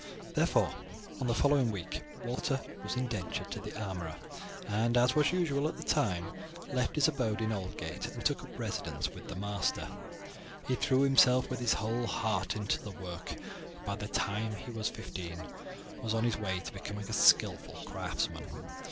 Therefore, on the following week Walter was indentured to the armourer, and, as was usual at the time, left his abode in Aldgate and took up his residence with his master. He threw himself with his whole heart into the work, and by the time he was fifteen was on the way to become a skilful craftsman.